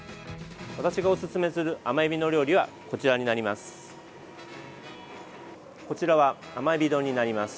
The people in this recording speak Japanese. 私がおすすめする甘えびの料理はこちらになります。